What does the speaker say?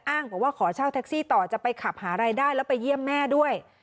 บอกว่าขอเช่าแท็กซี่ต่อจะไปขับหารายได้แล้วไปเยี่ยมแม่ด้วย